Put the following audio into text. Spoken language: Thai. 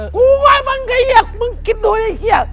กูว่ามันไงเหี้ยมึงคิดดูไอ้เหี้ย